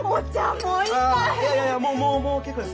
あいやいやいやもうもう結構です。